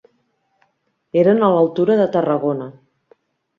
Eren a l'altura de Tarragona.